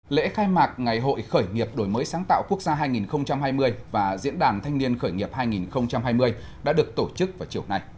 lễ khai mạc ngày hội khởi nghiệp đổi mới sáng tạo quốc gia hai nghìn hai mươi và diễn đàn thanh niên khởi nghiệp hai nghìn hai mươi đã được tổ chức vào chiều nay